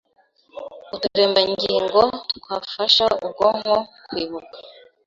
uturemangingo twafasha ubwonko kwibuka.